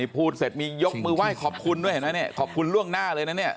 ผมขอบคุณค่ะ